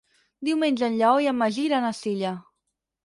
Diumenge en Lleó i en Magí iran a Silla.